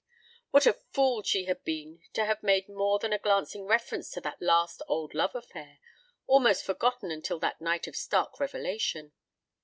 What a fool she had been to have made more than a glancing reference to that last old love affair, almost forgotten until that night of stark revelation.